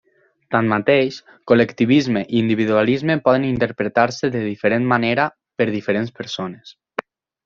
Tanmateix, col·lectivisme i individualisme poden interpretar-se de diferent manera per diferents persones.